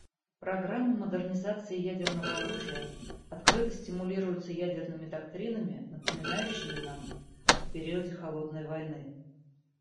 Программы модернизации ядерного оружия открыто стимулируются ядерными доктринами, напоминающими нам о периоде «холодной войны».